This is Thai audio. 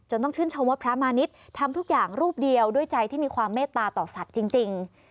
ต้องชื่นชมว่าพระมาณิชย์ทำทุกอย่างรูปเดียวด้วยใจที่มีความเมตตาต่อสัตว์จริง